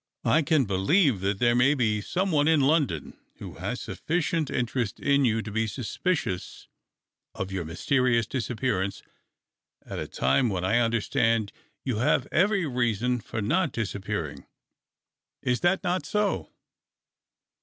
I can believe that there may be some one in London who has sufficient interest in you to be suspicious of your mysterious disappearance at a time when I understand you have every reason for not dis appearing. Is that not so